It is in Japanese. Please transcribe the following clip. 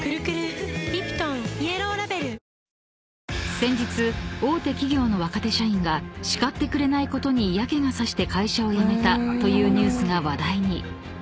［先日大手企業の若手社員が叱ってくれないことに嫌気が差して会社を辞めたというニュースが話題に］